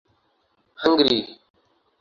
Hungary